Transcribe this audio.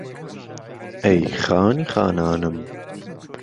ئهی خانی خانانم